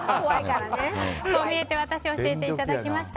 こう見えてワタシ教えていただきました。